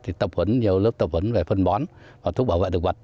thì tập huấn nhiều lớp tập huấn về phân bón và thuốc bảo vệ thực vật